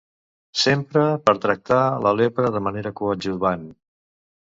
S'empra per tractar la lepra de manera coadjuvant.